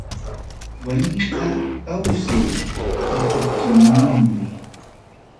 Wañuyqa kawsaypatukuyninmi.